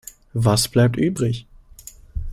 Was bleibt übrig?